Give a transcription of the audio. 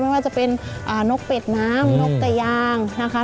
ไม่ว่าจะเป็นนกเป็ดน้ำนกแต่ยางนะคะ